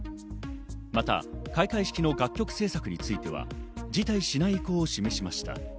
また開会式の楽曲制作については辞退しないことを示しました。